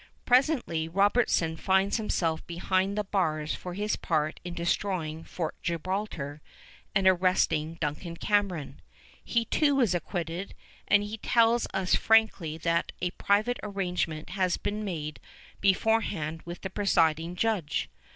Presently Robertson finds himself behind the bars for his part in destroying Fort Gibraltar and arresting Duncan Cameron. He too is acquitted, and he tells us frankly that a private arrangement had been made beforehand with the presiding judge.